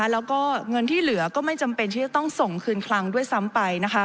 แล้วก็เงินที่เหลือก็ไม่จำเป็นที่จะต้องส่งคืนคลังด้วยซ้ำไป